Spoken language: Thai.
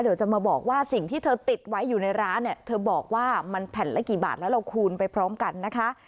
เดี๋ยวจะมาบอกว่าสิ่งที่เธอติดไว้อยู่ในร้านเนี่ยเธอบอกว่ามันแผ่นละกี่บาทแล้วเราคูณไปพร้อมกันนะคะ